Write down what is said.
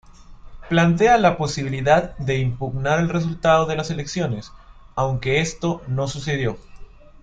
Plantea la posibilidad de impugnar el resultado de las elecciones, aunque esto no sucedió.